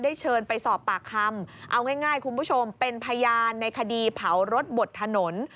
เชิญไปสอบปากคำเอาง่ายคุณผู้ชมเป็นพยานในคดีเผารถบดถนน